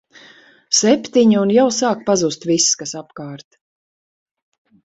Septiņi un jau sāk pazust viss, kas apkārt.